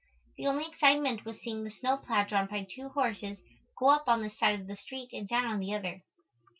The only excitement was seeing the snowplow drawn by two horses, go up on this side of the street and down on the other.